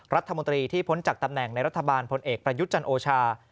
รัฐมนตรีที่พ้นจากตำแหน่งในรัฐบาลพลเอกประยุทธ์จันโอชา